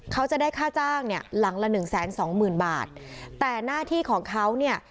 เขาจะได้ค่าจ้างเนี่ยหลังละหนึ่งแสนสองหมื่นบาทแต่หน้าที่ของเขาเนี่ย